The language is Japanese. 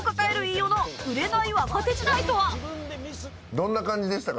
どんな感じでしたか？